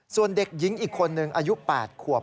ส่วนเด็กหญิงอีกคนนึงอายุ๘ขวบ